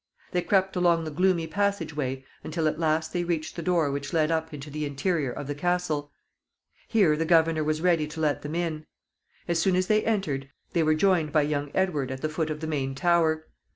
They crept along the gloomy passage way until at last they reached the door which led up into the interior of the castle. Here the governor was ready to let them in. As soon as they entered, they were joined by young Edward at the foot of the main tower.